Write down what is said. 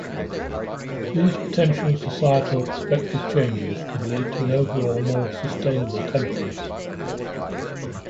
These potential societal perspective changes could lead to an overall more sustainable country.